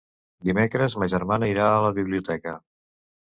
Dimecres ma germana irà a la biblioteca.